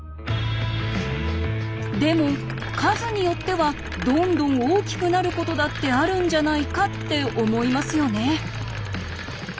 でも数によってはどんどん大きくなることだってあるんじゃないかって思いますよね。